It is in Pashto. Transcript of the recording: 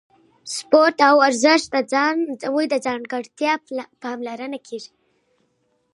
سپورت او ورزش ته ځانګړې پاملرنه کیږي.